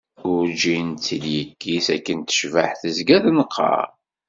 Urǧin tt-id-yekkis akken tecbaḥ, tezga tenqer.